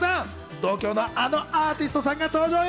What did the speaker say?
同郷のあのアーティストさんが登場よ。